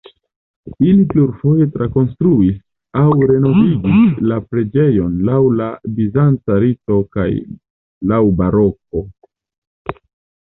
Ili plurfoje trakonstruis aŭ renovigis la preĝejon laŭ la bizanca rito kaj laŭ baroko.